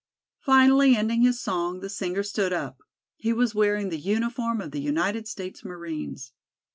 Finally ending his song the singer stood up; he was wearing the uniform of the United States Marines.